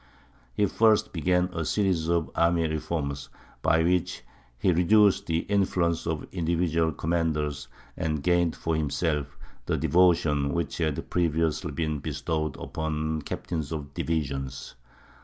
He first began a series of army reforms, by which he reduced the influence of individual commanders and gained for himself the devotion which had previously been bestowed upon captains of divisions.